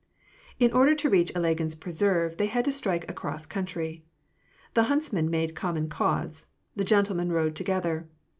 In order to reach Ilagin's preserve, they had to strike across country. The huntsmen made common cause. The gentle men rode together.